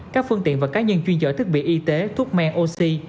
các phương tiện và cá nhân chuyên giỏi thức bị y tế thuốc men oxy